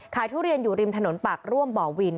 ทุเรียนอยู่ริมถนนปากร่วมบ่อวิน